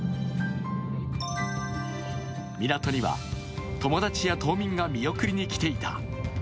港には友達や島民が見送りに来ていた。